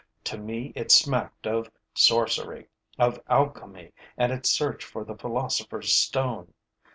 To me it smacked of sorcery, of alchemy and its search for the philosopher's stone.